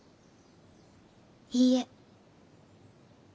いいえ。